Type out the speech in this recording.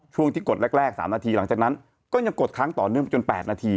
ช่วงที่กดแรก๓นาทีหลังจากนั้นก็ยังกดค้างต่อเนื่องจน๘นาที